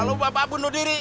kalau bapak bunuh diri